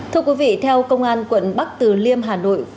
thưa quý vị theo công an quận bắc từ liêm hà nội